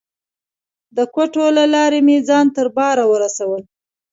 د کوټو له لارې مې ځان تر باره ورساوه.